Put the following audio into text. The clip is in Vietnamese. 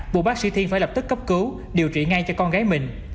buộc bác sĩ thiên phải lập tức cấp cứu điều trị ngay cho con gái mình